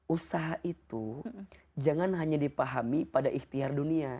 usaha itu jangan hanya dipahami pada ikhtiar dunia